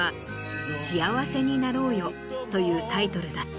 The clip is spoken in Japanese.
というタイトルだった。